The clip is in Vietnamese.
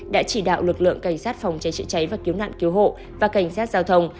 đã chỉ đạo lực lượng cảnh sát phòng cháy chữa cháy và cứu nạn cứu hộ và cảnh sát giao thông